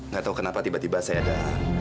nggak tahu kenapa tiba tiba saya ada